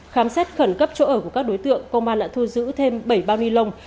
khám xét khẩn cấp chỗ ở của các đối tượng công an đã thu giữ thêm bảy bao ni lông